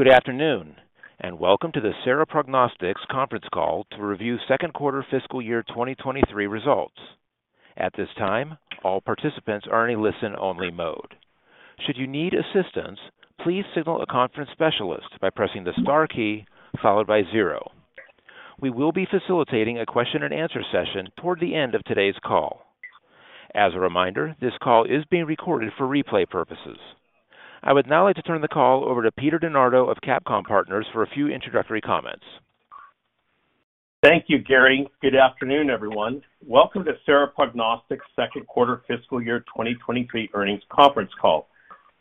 Good afternoon, Welcome to the Sera Prognostics Conference Call to review Second Quarter Fiscal Year 2023 Results. At this time, all participants are in a listen-only mode. Should you need assistance, please signal a conference specialist by pressing the star key followed by zero. We will be facilitating a question and answer session toward the end of today's call. As a reminder, this call is being recorded for replay purposes. I would now like to turn the call over to Peter DeNardo of CapComm Partners for a few introductory comments. Thank you, Gary. Good afternoon, everyone. Welcome to Sera Prognostics second quarter fiscal year 2023 earnings conference call.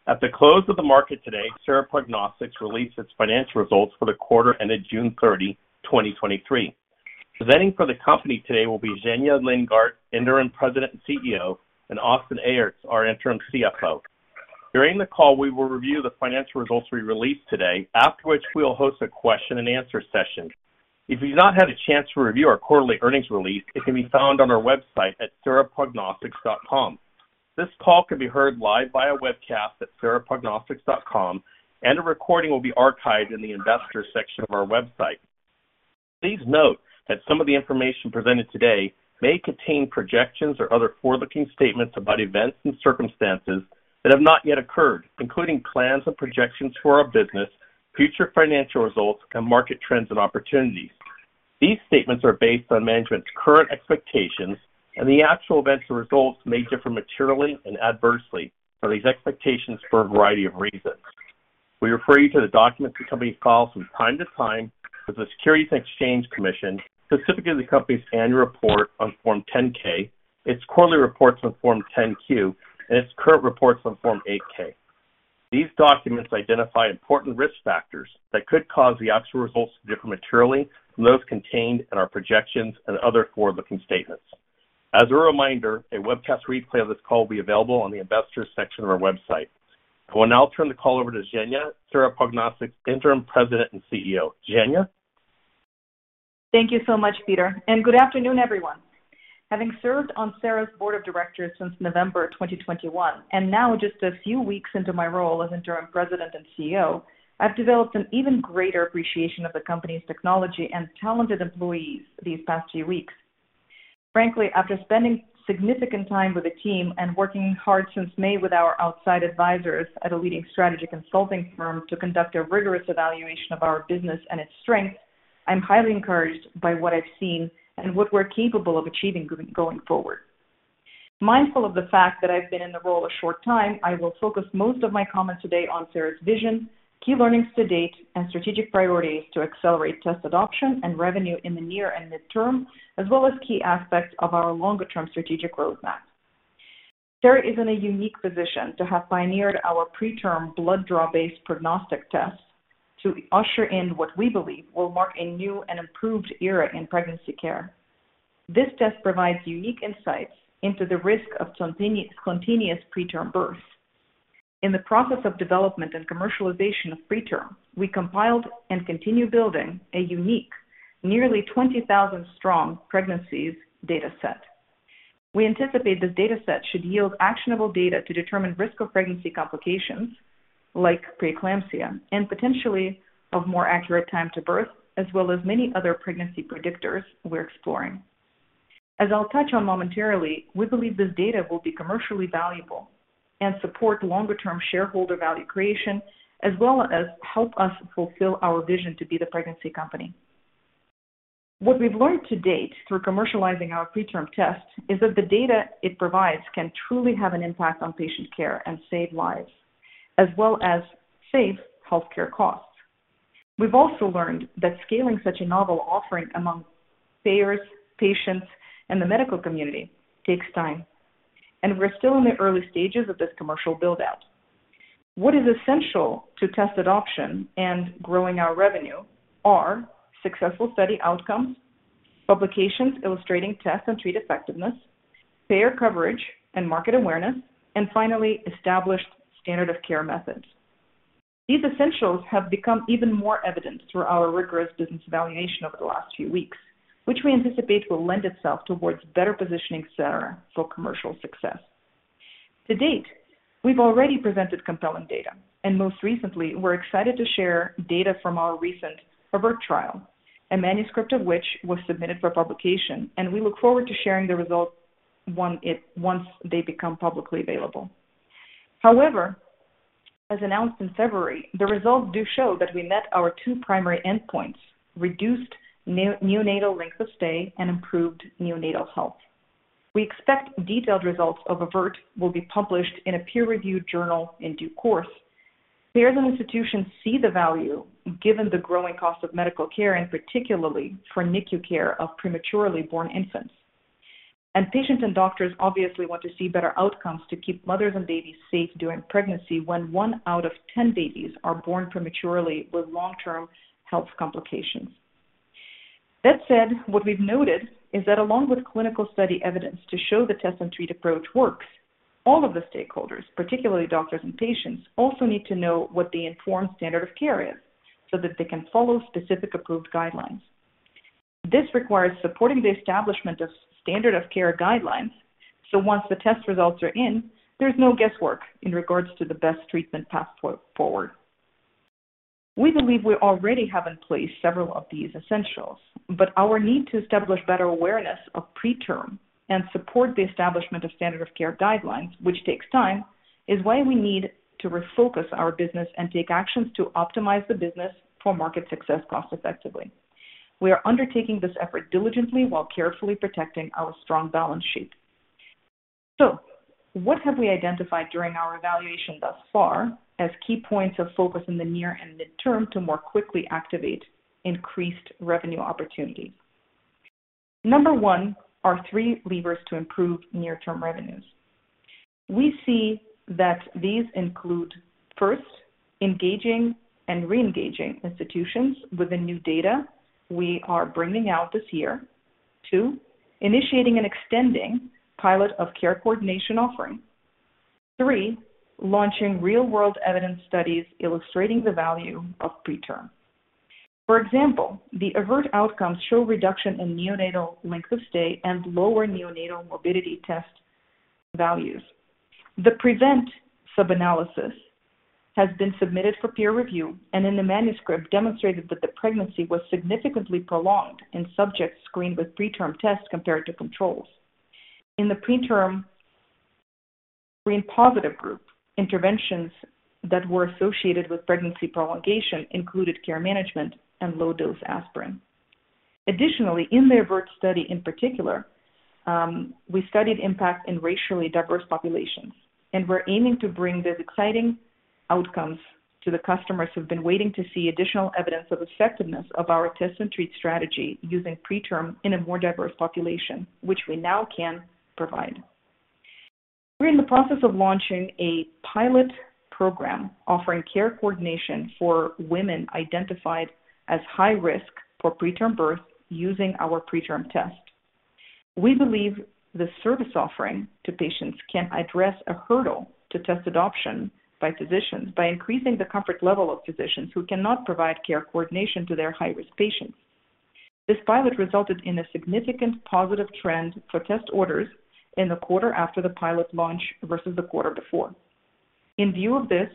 At the close of the market today, Sera Prognostics released its financial results for the quarter ended June 30, 2023. Presenting for the company today will be Zhenya Lindgardt, Interim President and CEO, and Austin Aerts, our Interim CFO. During the call, we will review the financial results we released today, after which we will host a question and answer session. If you've not had a chance to review our quarterly earnings release, it can be found on our website at seraprognostics.com. This call can be heard live via webcast at seraprognostics.com, and a recording will be archived in the investors section of our website. Please note that some of the information presented today may contain projections or other forward-looking statements about events and circumstances that have not yet occurred, including plans and projections for our business, future financial results, and market trends and opportunities. These statements are based on management's current expectations, and the actual events or results may differ materially and adversely from these expectations for a variety of reasons. We refer you to the documents the company files from time to time with the Securities and Exchange Commission, specifically the company's annual report on Form 10-K, its quarterly reports on Form 10-Q, and its current reports on Form 8-K. These documents identify important risk factors that could cause the actual results to differ materially from those contained in our projections and other forward-looking statements. As a reminder, a webcast replay of this call will be available on the investors section of our website. I will now turn the call over to Zhenya, Sera Prognostics Interim President and CEO. Zhenya? Thank you so much, Peter. Good afternoon, everyone. Having served on Sera's board of directors since November 2021, and now just a few weeks into my role as Interim President and CEO, I've developed an even greater appreciation of the company's technology and talented employees these past few weeks. Frankly, after spending significant time with the team and working hard since May with our outside advisors at a leading strategy consulting firm to conduct a rigorous evaluation of our business and its strengths, I'm highly encouraged by what I've seen and what we're capable of achieving going forward. Mindful of the fact that I've been in the role a short time, I will focus most of my comments today on Sera's vision, key learnings to date, and strategic priorities to accelerate test adoption and revenue in the near and midterm, as well as key aspects of our longer-term strategic roadmap. Sera is in a unique position to have pioneered our PreTRM blood draw-based prognostic test to usher in what we believe will mark a new and improved era in pregnancy care. This test provides unique insights into the risk of spontaneous PreTRM birth. In the process of development and commercialization of PreTRM, we compiled and continue building a unique, nearly 20,000 strong pregnancies data set. We anticipate this data set should yield actionable data to determine risk of pregnancy complications, like preeclampsia, and potentially of more accurate Time-to-Birth, as well as many other pregnancy predictors we're exploring. As I'll touch on momentarily, we believe this data will be commercially valuable and support longer-term shareholder value creation, as well as help us fulfill our vision to be the pregnancy company. What we've learned to date through commercializing our PreTRM test is that the data it provides can truly have an impact on patient care and save lives, as well as save healthcare costs. We've also learned that scaling such a novel offering among payers, patients, and the medical community takes time, and we're still in the early stages of this commercial build-out. What is essential to test adoption and growing our revenue are successful study outcomes, publications illustrating test and treat effectiveness, payer coverage and market awareness, and finally, established standard of care methods. These essentials have become even more evident through our rigorous business evaluation over the last few weeks, which we anticipate will lend itself towards better positioning Sera for commercial success. To date, we've already presented compelling data. Most recently, we're excited to share data from our recent AVERT trial, a manuscript of which was submitted for publication, and we look forward to sharing the results once they become publicly available. As announced in February, the results do show that we met our two primary endpoints: reduced neonatal length of stay and improved neonatal health. We expect detailed results of AVERT will be published in a peer-reviewed journal in due course. Payers and institutions see the value, given the growing cost of medical care, and particularly for NICU care of prematurely born infants. Patients and doctors obviously want to see better outcomes to keep mothers and babies safe during pregnancy when one out of 10 babies are born prematurely with long-term health complications. That said, what we've noted is that along with clinical study evidence to show the test and treat approach works, all of the stakeholders, particularly doctors and patients, also need to know what the informed standard of care is, so that they can follow specific approved guidelines. This requires supporting the establishment of standard of care guidelines, so once the test results are in, there's no guesswork in regards to the best treatment path forward. We believe we already have in place several of these essentials, our need to establish better awareness of PreTRM and support the establishment of standard of care guidelines, which takes time, is why we need to refocus our business and take actions to optimize the business for market success cost effectively. We are undertaking this effort diligently while carefully protecting our strong balance sheet. What have we identified during our evaluation thus far as key points of focus in the near and midterm to more quickly activate increased revenue opportunity? Number one, are three levers to improve near-term revenues. We see that these include, first, engaging and reengaging institutions with the new data we are bringing out this year. Two, initiating and extending pilot of care coordination offering. Three, launching real-world evidence studies illustrating the value of PreTRM. For example, the AVERT outcomes show reduction in neonatal length of stay and lower neonatal morbidity test values. The present subanalysis has been submitted for peer review and in the manuscript, demonstrated that the pregnancy was significantly prolonged in subjects screened with PreTRM tests compared to controls. In the PreTRM screen positive group, interventions that were associated with pregnancy prolongation included care management and low-dose aspirin. Additionally, in the AVERT study in particular, we studied impact in racially diverse populations, and we're aiming to bring these exciting outcomes to the customers who've been waiting to see additional evidence of effectiveness of our test and treat strategy using PreTRM in a more diverse population, which we now can provide. We're in the process of launching a pilot program offering care coordination for women identified as high risk for preterm birth using our PreTRM test. We believe this service offering to patients can address a hurdle to test adoption by physicians by increasing the comfort level of physicians who cannot provide care coordination to their high-risk patients. This pilot resulted in a significant positive trend for test orders in the quarter after the pilot launch versus the quarter before. In view of this,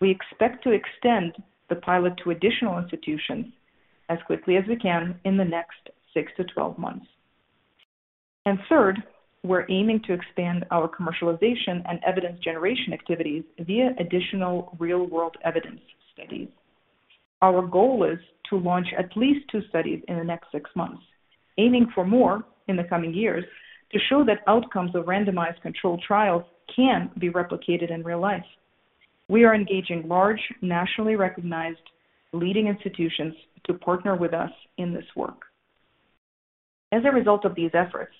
we expect to extend the pilot to additional institutions as quickly as we can in the next six to 12 months. Third, we're aiming to expand our commercialization and evidence generation activities via additional real-world evidence studies. Our goal is to launch at least two studies in the next six months, aiming for more in the coming years, to show that outcomes of randomized controlled trials can be replicated in real life. We are engaging large, nationally recognized leading institutions to partner with us in this work. As a result of these efforts,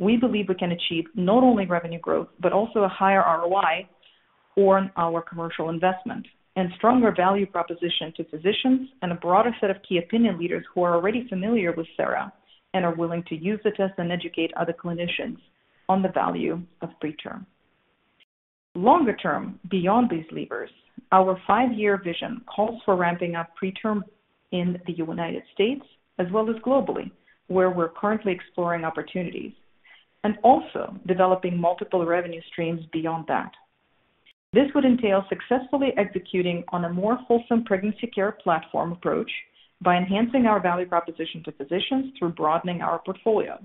we believe we can achieve not only revenue growth, but also a higher ROI on our commercial investment and stronger value proposition to physicians and a broader set of key opinion leaders who are already familiar with Sera and are willing to use the test and educate other clinicians on the value of PreTRM. Longer term, beyond these levers, our five-year vision calls for ramping up PreTRM in the United States as well as globally, where we're currently exploring opportunities, and also developing multiple revenue streams beyond that. This would entail successfully executing on a more wholesome pregnancy care platform approach by enhancing our value proposition to physicians through broadening our portfolio.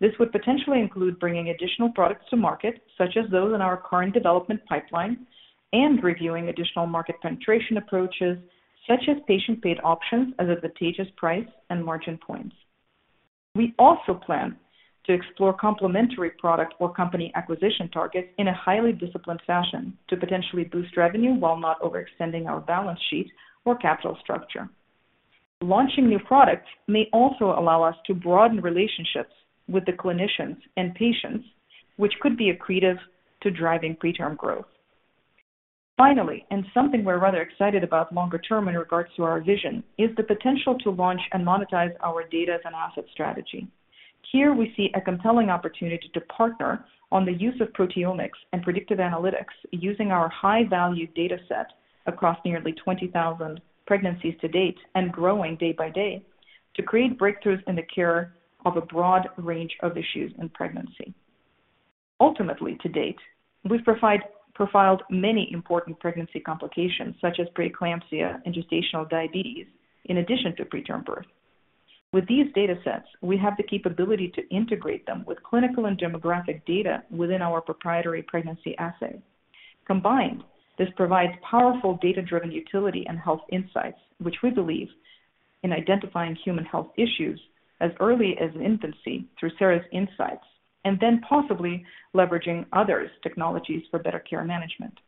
This would potentially include bringing additional products to market, such as those in our current development pipeline, and reviewing additional market penetration approaches such as patient-paid options as advantageous price and margin points. We also plan to explore complementary product or company acquisition targets in a highly disciplined fashion to potentially boost revenue while not overextending our balance sheet or capital structure. Launching new products may also allow us to broaden relationships with the clinicians and patients, which could be accretive to driving preterm growth. Finally, something we're rather excited about longer term in regards to our vision, is the potential to launch and monetize our data as an asset strategy. Here we see a compelling opportunity to partner on the use of proteomics and predictive analytics, using our high-value dataset across nearly 20,000 pregnancies to date and growing day by day, to create breakthroughs in the cure of a broad range of issues in pregnancy. Ultimately, to date, we've profiled many important pregnancy complications, such as preeclampsia and gestational diabetes, in addition to preterm birth. With these datasets, we have the capability to integrate them with clinical and demographic data within our proprietary pregnancy assay. Combined, this provides powerful data-driven utility and health insights, which we believe in identifying human health issues as early as infancy through Sera's insights, and then possibly leveraging others' technologies for better care management.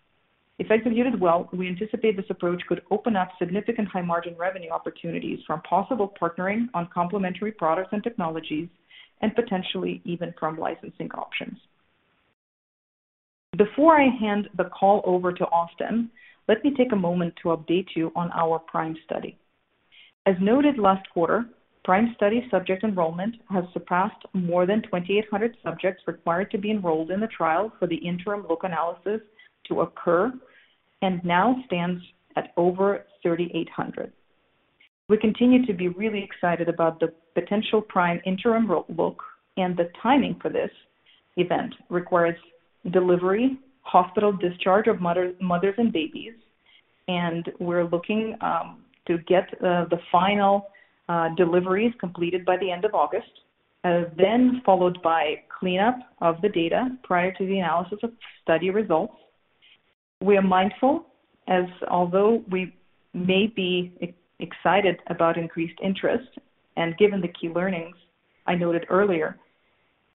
If executed well, we anticipate this approach could open up significant high-margin revenue opportunities from possible partnering on complementary products and technologies, and potentially even from licensing options. Before I hand the call over to Austin, let me take a moment to update you on our PRIME study. As noted last quarter, PRIME study subject enrollment has surpassed more than 2,800 subjects required to be enrolled in the trial for the interim look analysis to occur. Now stands at over 3,800. We continue to be really excited about the potential PRIME interim rule book, and the timing for this event requires delivery, hospital discharge of mother, mothers and babies, and we're looking to get the final deliveries completed by the end of August, then followed by cleanup of the data prior to the analysis of study results. We are mindful as although we may be excited about increased interest, given the key learnings I noted earlier,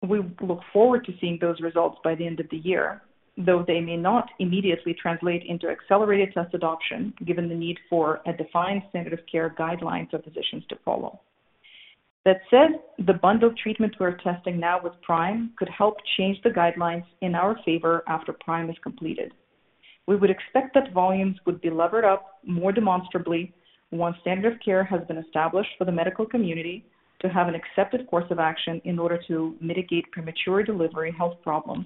we look forward to seeing those results by the end of the year, though they may not immediately translate into accelerated test adoption, given the need for a defined standard of care guidelines for physicians to follow. That said, the bundle of treatments we're testing now with PRIME could help change the guidelines in our favor after PRIME is completed. We would expect that volumes would be levered up more demonstrably once standard of care has been established for the medical community to have an accepted course of action in order to mitigate premature delivery, health problems,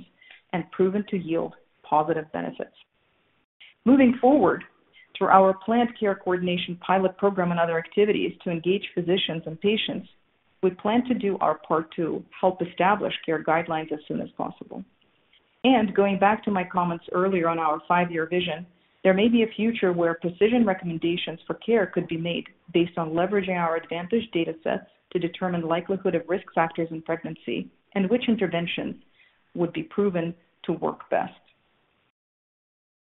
and proven to yield positive benefits. Moving forward, through our planned care coordination pilot program and other activities to engage physicians and patients, we plan to do our part to help establish care guidelines as soon as possible. Going back to my comments earlier on our five-year vision, there may be a future where precision recommendations for care could be made based on leveraging our advantage datasets to determine the likelihood of risk factors in pregnancy and which interventions would be proven to work best.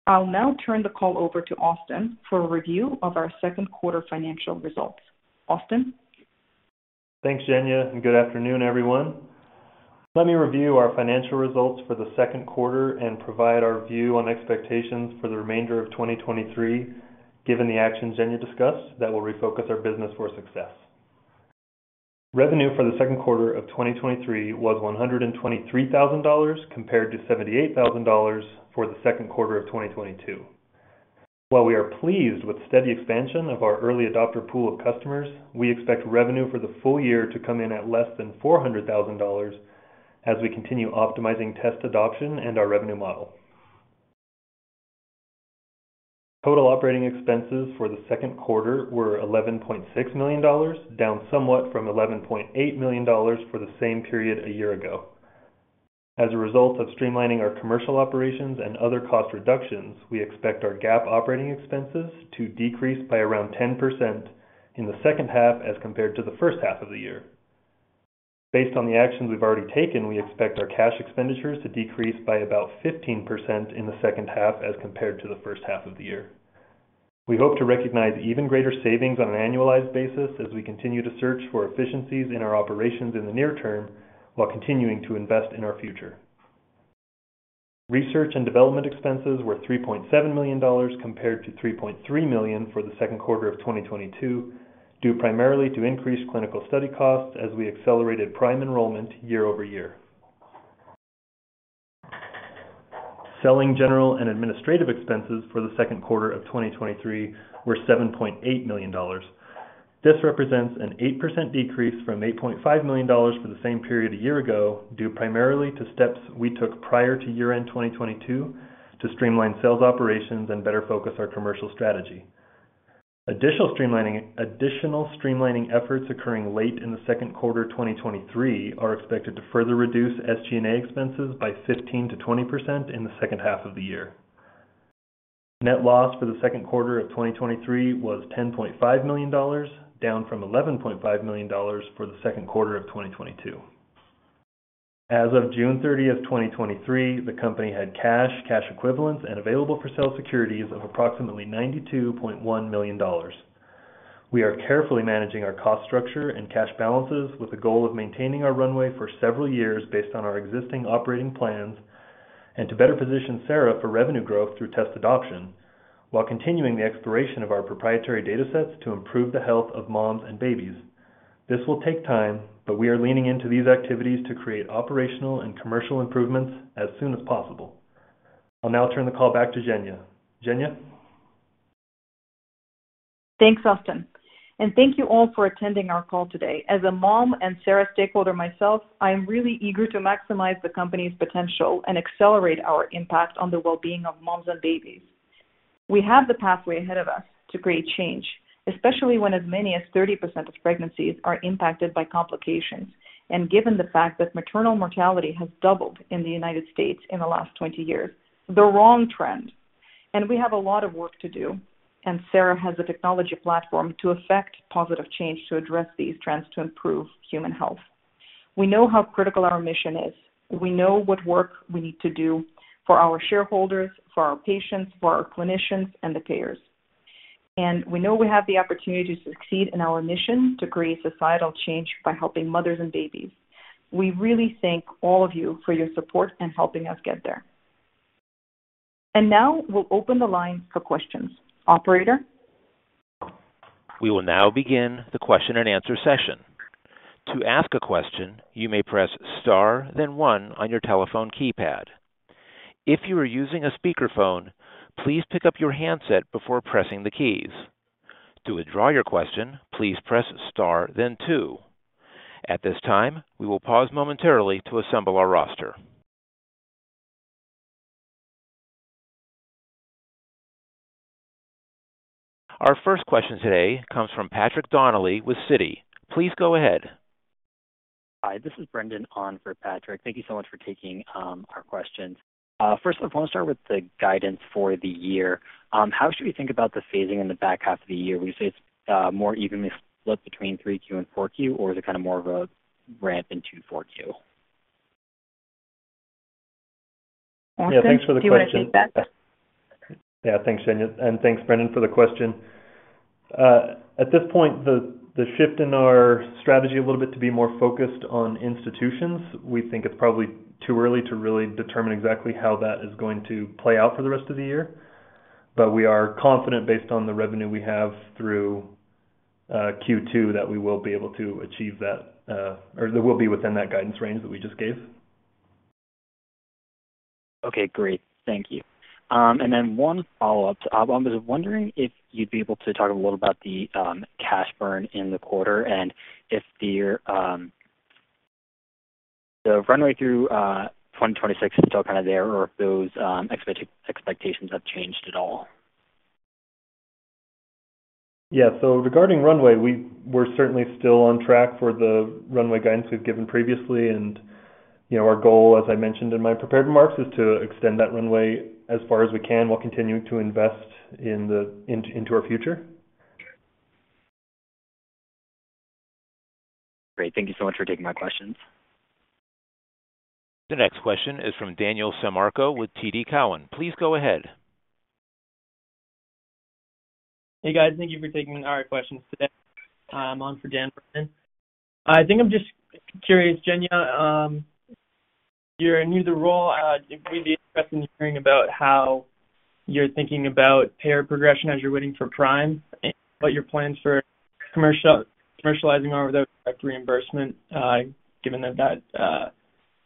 I'll now turn the call over to Austin for a review of our second quarter financial results. Austin? Thanks, Zhenya. Good afternoon, everyone. Let me review our financial results for the second quarter and provide our view on expectations for the remainder of 2023, given the actions Zhenya discussed that will refocus our business for success. Revenue for the second quarter of 2023 was $123,000, compared to $78,000 for the second quarter of 2022. While we are pleased with steady expansion of our early adopter pool of customers, we expect revenue for the full year to come in at less than $400,000 as we continue optimizing test adoption and our revenue model. Total operating expenses for the second quarter were $11.6 million, down somewhat from $11.8 million for the same period a year ago. As a result of streamlining our commercial operations and other cost reductions, we expect our GAAP operating expenses to decrease by around 10% in the second half as compared to the first half of the year. Based on the actions we've already taken, we expect our cash expenditures to decrease by about 15% in the second half as compared to the first half of the year. We hope to recognize even greater savings on an annualized basis as we continue to search for efficiencies in our operations in the near term, while continuing to invest in our future. Research and development expenses were $3.7 million, compared to $3.3 million for the second quarter of 2022, due primarily to increased clinical study costs as we accelerated PRIME enrollment year-over-year. Selling general and administrative expenses for the second quarter of 2023 were $7.8 million. This represents an 8% decrease from $8.5 million for the same period a year ago, due primarily to steps we took prior to year-end 2022 to streamline sales operations and better focus our commercial strategy. Additional streamlining efforts occurring late in the second quarter 2023 are expected to further reduce SG&A expenses by 15%-20% in the second half of the year. Net loss for the second quarter of 2023 was $10.5 million, down from $11.5 million for the second quarter of 2022. As of June 30th, 2023, the company had cash, cash equivalents, and available-for-sale securities of approximately $92.1 million. We are carefully managing our cost structure and cash balances with the goal of maintaining our runway for several years based on our existing operating plans and to better position Sera for revenue growth through test adoption, while continuing the exploration of our proprietary datasets to improve the health of moms and babies. This will take time, but we are leaning into these activities to create operational and commercial improvements as soon as possible. I'll now turn the call back to Zhenya. Zhenya? Thanks, Austin. Thank you all for attending our call today. As a mom and Sera stakeholder myself, I am really eager to maximize the company's potential and accelerate our impact on the well-being of moms and babies. We have the pathway ahead of us to create change, especially when as many as 30% of pregnancies are impacted by complications, and given the fact that maternal mortality has doubled in the United States in the last 20 years, the wrong trend. We have a lot of work to do, and Sera has a technology platform to effect positive change to address these trends to improve human health. We know how critical our mission is. We know what work we need to do for our shareholders, for our patients, for our clinicians, and the payers. We know we have the opportunity to succeed in our mission to create societal change by helping mothers and babies. We really thank all of you for your support in helping us get there. Now we'll open the line for questions. Operator? We will now begin the question and answer session. To ask a question, you may press star, then one on your telephone keypad. If you are using a speakerphone, please pick up your handset before pressing the keys. To withdraw your question, please press star, then two. At this time, we will pause momentarily to assemble our roster. Our first question today comes from Patrick Donnelly with Citi. Please go ahead. Hi, this is Brendan on for Patrick. Thank you so much for taking our questions. First of all, I want to start with the guidance for the year. How should we think about the phasing in the back half of the year? Would you say it's more evenly split between 3Q and 4Q, or is it kind of more of a ramp into 4Q? Yeah, thanks for the question. Do you want to take that? Yeah. Thanks, Jen, and thanks, Brendan, for the question. At this point, the, the shift in our strategy a little bit to be more focused on institutions, we think it's probably too early to really determine exactly how that is going to play out for the rest of the year. We are confident, based on the revenue we have through Q2, that we will be able to achieve that, or that we'll be within that guidance range that we just gave. Okay, great. Thank you. Then one follow-up. I was wondering if you'd be able to talk a little about the cash burn in the quarter and if the runway through 2026 is still kind of there, or if those expectations have changed at all. Yeah. Regarding runway, we're certainly still on track for the runway guidance we've given previously. You know, our goal, as I mentioned in my prepared remarks, is to extend that runway as far as we can, while continuing to invest into our future. Great. Thank you so much for taking my questions. The next question is from Daniel Sammarco with TD Cowen. Please go ahead. Hey, guys. Thank you for taking our questions today. On for Dan Brennan, I think I'm just curious, Zhenya, you're new to the role. It would be interesting hearing about how you're thinking about payer progression as you're waiting for PRIME and what your plans for commercializing our direct reimbursement, given that that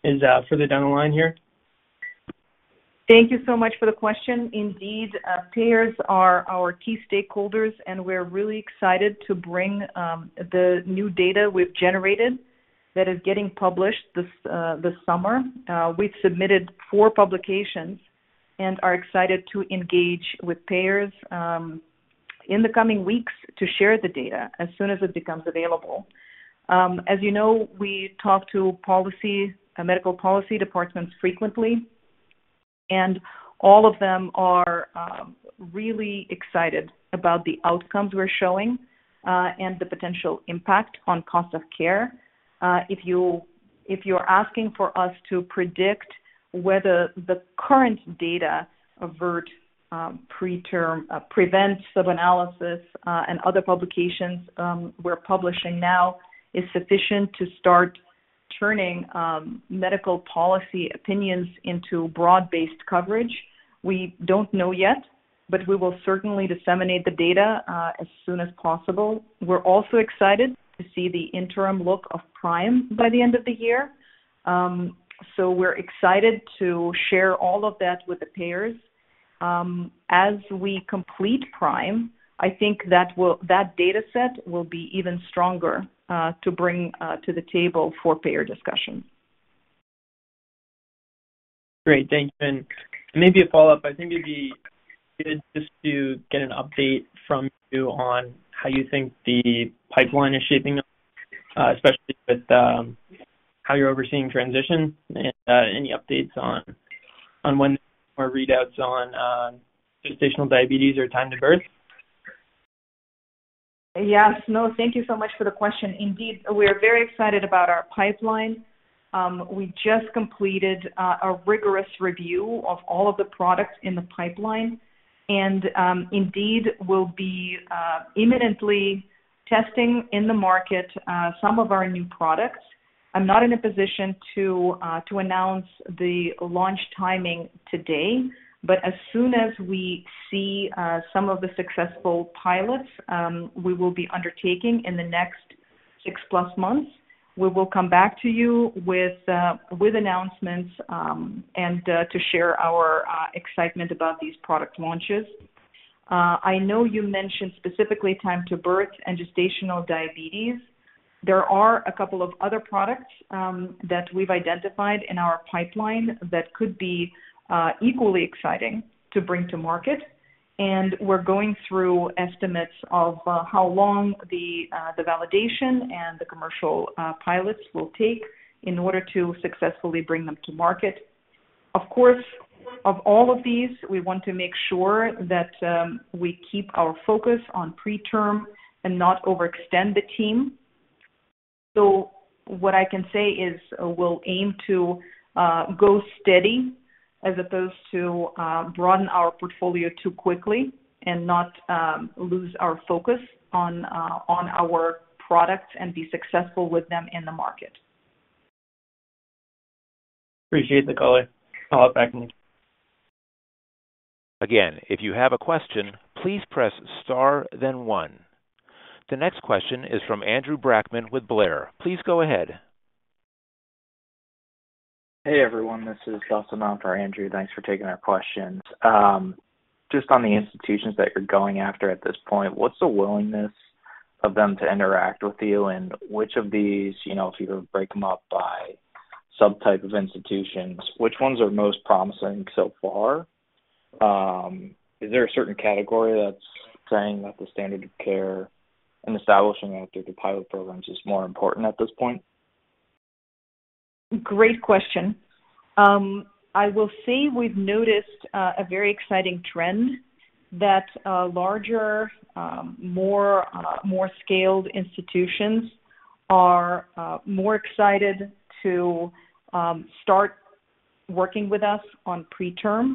is further down the line here? Thank you so much for the question. Indeed, payers are our key stakeholders, and we're really excited to bring the new data we've generated that is getting published this summer. We've submitted four publications and are excited to engage with payers in the coming weeks to share the data as soon as it becomes available. As you know, we talk to policy, medical policy departments frequently, and all of them are really excited about the outcomes we're showing and the potential impact on cost of care. If you, if you're asking for us to predict whether the current data AVERT, PreTRM, prevents subanalysis, and other publications, we're publishing now, is sufficient to start turning medical policy opinions into broad-based coverage. We don't know yet, but we will certainly disseminate the data, as soon as possible. We're also excited to see the interim look of PRIME by the end of the year. We're excited to share all of that with the payers. As we complete PRIME, I think that data set will be even stronger, to bring, to the table for payer discussions. Great. Thank you. Maybe a follow-up. I think it'd be good just to get an update from you on how you think the pipeline is shaping up, especially with, how you're overseeing transition. Any updates on when more readouts on, gestational diabetes or time-to-birth? Yes. No, thank you so much for the question. Indeed, we are very excited about our pipeline. We just completed a rigorous review of all of the products in the pipeline, and indeed, we'll be imminently testing in the market some of our new products. I'm not in a position to announce the launch timing today, but as soon as we see some of the successful pilots, we will be undertaking in the next six-plus months, we will come back to you with announcements and to share our excitement about these product launches. I know you mentioned specifically time-to-birth and gestational diabetes. There are a couple of other products that we've identified in our pipeline that could be equally exciting to bring to market, and we're going through estimates of how long the validation and the commercial pilots will take in order to successfully bring them to market. Of course, of all of these, we want to make sure that we keep our focus on preterm and not overextend the team. What I can say is we'll aim to go steady as opposed to broaden our portfolio too quickly and not lose our focus on our products and be successful with them in the market. Appreciate the call. I'll hop back. If you have a question, please press Star, then one. The next question is from Andrew Brackmann with Blair. Please go ahead. Hey, everyone, this is Justin Montour, Andrew. Thanks for taking our questions. just on the institutions that you're going after at this point, what's the willingness of them to interact with you? Which of these, you know, if you break them up by subtype of institutions, which ones are most promising so far? Is there a certain category that's saying that the standard of care and establishing it through the pilot programs is more important at this point? Great question. I will say we've noticed a very exciting trend that larger, more, more scaled institutions are more excited to start working with us on preterm.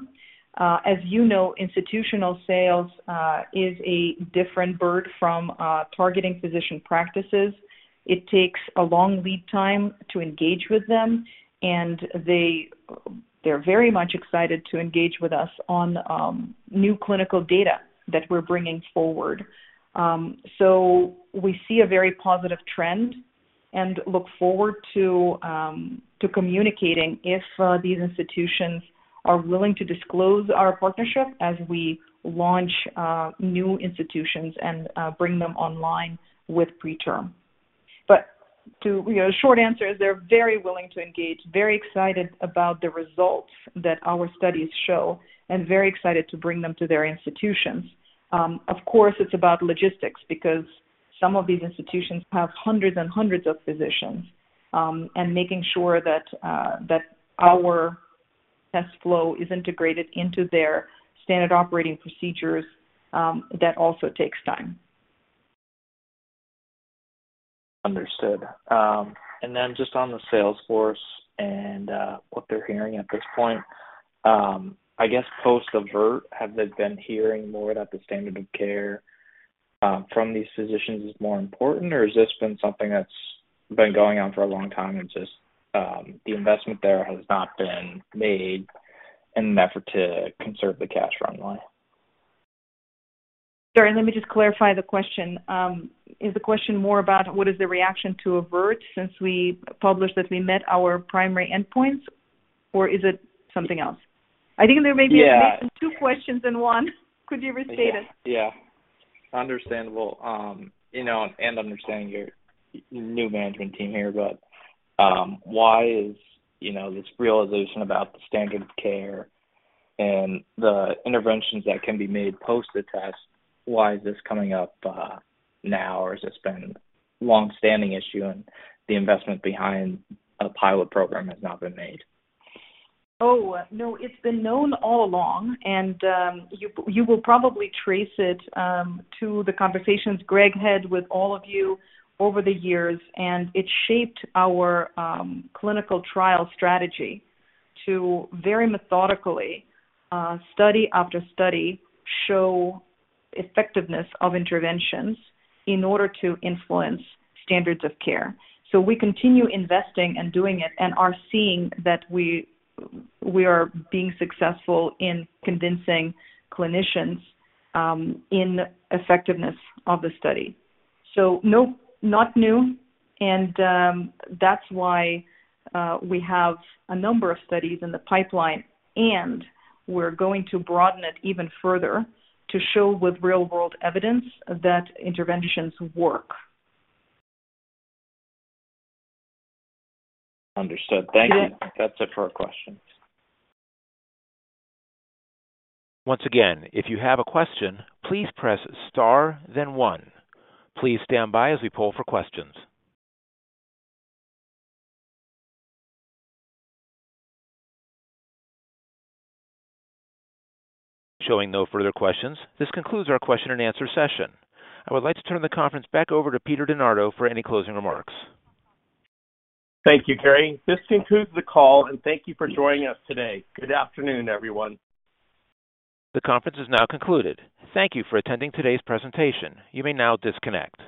As you know, institutional sales is a different bird from targeting physician practices. It takes a long lead time to engage with them, and they, they're very much excited to engage with us on new clinical data that we're bringing forward. We see a very positive trend and look forward to communicating if these institutions are willing to disclose our partnership as we launch new institutions and bring them online with preterm. To, you know, short answer is they're very willing to engage, very excited about the results that our studies show, and very excited to bring them to their institutions. Of course, it's about logistics, because some of these institutions have hundreds and hundreds of physicians, and making sure that our test flow is integrated into their standard operating procedures, that also takes time. Understood. Then just on the sales force and what they're hearing at this point, I guess post-AVERT, have they been hearing more that the standard of care from these physicians is more important, or is this been something that's been going on for a long time and just, the investment there has not been made in an effort to conserve the cash runway? Sorry, let me just clarify the question. Is the question more about what is the reaction to AVERT, since we published that we met our primary endpoints, or is it something else? I think there may be- Yeah. Two questions in one. Could you restate it? Yeah. Understandable, you know, and understanding your new management team here, but, why is, you know, this realization about the standard of care and the interventions that can be made post the test, why is this coming up, now? Has this been a long-standing issue and the investment behind a pilot program has not been made? Oh, no, it's been known all along, and you, you will probably trace it to the conversations Greg had with all of you over the years, and it shaped our clinical trial strategy to very methodically, study after study, show effectiveness of interventions in order to influence standards of care. We continue investing and doing it and are seeing that we, we are being successful in convincing clinicians in effectiveness of the study. Nope, not new, and that's why we have a number of studies in the pipeline, and we're going to broaden it even further to show with real-world evidence that interventions work. Understood. Yeah. Thank you. That's it for our questions. Once again, if you have a question, please press star, then one. Please stand by as we poll for questions. Showing no further questions, this concludes our question and answer session. I would like to turn the conference back over to Peter DeNardo for any closing remarks. Thank you, Gary. This concludes the call, and thank you for joining us today. Good afternoon, everyone. The conference is now concluded. Thank you for attending today's presentation. You may now disconnect.